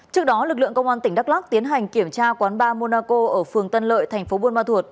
trước đó lực lượng công an tp huế tiến hành kiểm tra quán bar monaco ở phường tân lợi tp buôn ma thuột